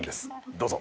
どうぞ。